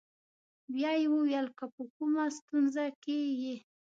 بیا یې وویل: که په کومه ستونزه کې یې.